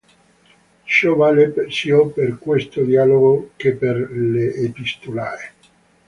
Ciò vale sia per questo Dialogo che per le "Epistulae".